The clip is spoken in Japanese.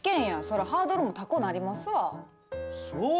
そらハードルも高ぅなりますわ。